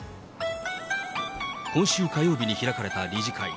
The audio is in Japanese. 今週火曜日に開かれた理事会。